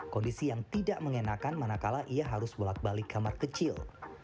kondisi yang tidak mengenakan manakala ia harus bolak balik kamar kecil